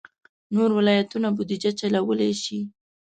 نور ولایتونه بودجه چلولای شي.